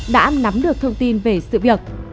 đã nắm được thông tin về sự việc